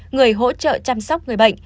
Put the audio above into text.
người hỗ trợ chăm sóc người bệnh